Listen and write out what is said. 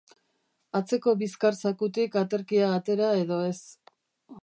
Atzeko bizkar-zakutik aterkia atera edo ez.